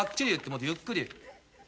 もっとゆっくり。